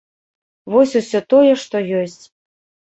Вось усё тое, што ёсць.